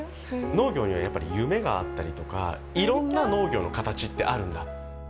農業にはやっぱり夢があったりとかいろんな農業の形ってあるんだ。